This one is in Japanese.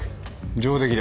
上出来だ。